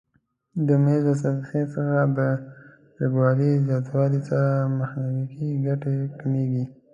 د میز له سطحې څخه د جګوالي زیاتوالي سره میخانیکي ګټه کمیږي؟